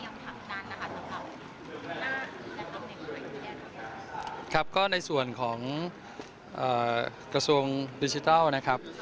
อยากถามด้านนะครับสำหรับสินค้าในส่วนของกระทรวงดิจิทัล